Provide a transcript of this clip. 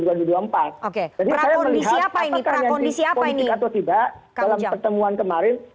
jadi saya melihat apakah nyatir politik atau tidak dalam pertemuan kemarin